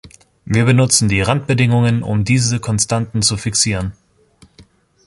Wir benutzen die Randbedingungen, um diese Konstanten zu fixieren.